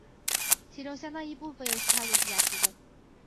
其中相当一部分由其他作曲家的提供。